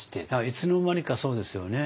いつの間にかそうですよね。